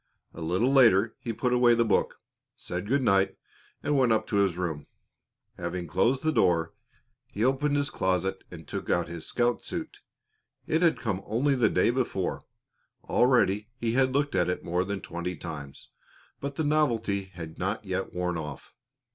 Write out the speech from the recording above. A little later he put away the book, said good night, and went up to his room. Having closed the door, he opened his closet and took out his scout suit. It had come only the day before; already he had looked at it more than twenty times, but the novelty had not yet worn off.